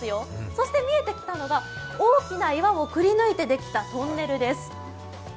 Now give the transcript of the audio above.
そして見えてきたのが大きな岩をくり抜いてできたトンネルです。